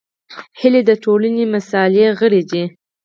هیلۍ د ټولنې مثالي غړې ده